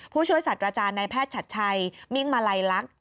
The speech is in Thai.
ผู้ช่วยสัตว์อาจารย์ในแพทย์ชัดชัยมิ่งมาลัยลักษณ์